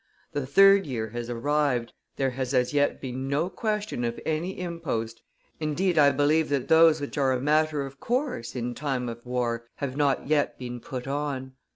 The third year has arrived, there has as yet been no question of any impost, indeed I believe that those which are a matter of course in time of war have not yet been put on.